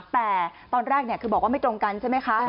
แต่ตอนแรกคือบอกว่าไม่ตรงกันใช่ไหมคะ